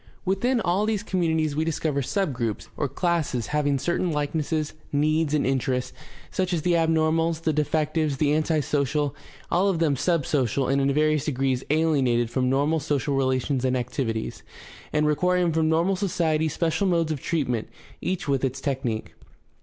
Within all these communities we discover subgroups or classes having certain likenesses, needs, and interests, such as the abnormals, the defectives, the anti social — all of them sub social, and in various degrees "alienated" from normal social relations and activities, and requiring from normal society special modes of treatment, each with its technique.